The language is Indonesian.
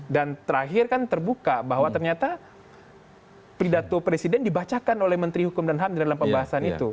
terakhir kan terbuka bahwa ternyata pidato presiden dibacakan oleh menteri hukum dan ham di dalam pembahasan itu